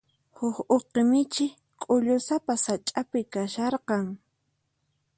Huk uqi michi k'ullusapa sach'api kasharqan.